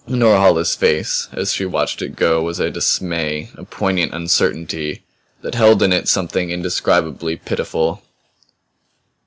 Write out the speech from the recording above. In Norhala's face as she watched it go was a dismay, a poignant uncertainty, that held in it something indescribably pitiful.